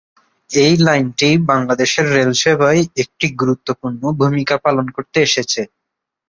এই লাইনটি বাংলাদেশের রেলসেবায় একটি গুরুত্বপূর্ণ ভূমিকা পালন করে আসছে।